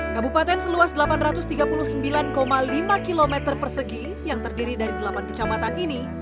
kabupaten seluas delapan ratus tiga puluh sembilan lima km persegi yang terdiri dari delapan kecamatan ini